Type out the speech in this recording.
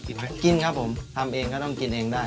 กินครับผมทำเองก็ต้องกินเองได้